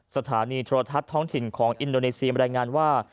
สถานีโทรทัศน์ท้องถิ่นของอินโดนีเซียมรายงานว่า